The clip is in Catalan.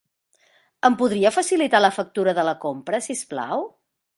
Em podria facilitar la factura de la compra, si us plau?